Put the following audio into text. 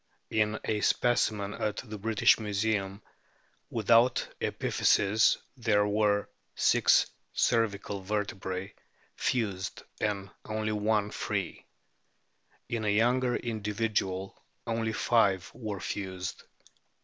J In a specimen at the British Museum without epiphyses there were six cervical vertebrae fused and only one free. In a younger individual only five were fused.